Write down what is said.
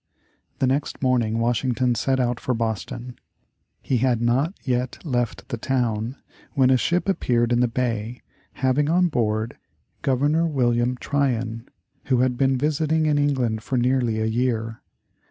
The next morning Washington set out for Boston. He had not yet left the town when a ship appeared in the bay having on board Governor William Tryon, who had been visiting in England for nearly a year.